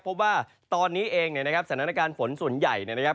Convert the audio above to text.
พบว่าตอนนี้เองนะครับสถานการณ์ฝนส่วนใหญ่นะครับ